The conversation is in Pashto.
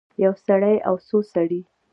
یو سړی او څو سړي